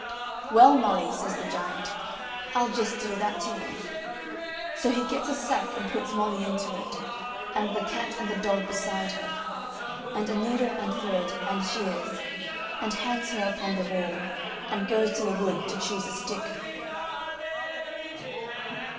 "Well, Molly," says the giant, "I'll just do that to you." So he gets a sack, and puts Molly into it, and the cat and the dog beside her, and a needle and thread and shears, and hangs her up upon the wall, and goes to the wood to choose a stick.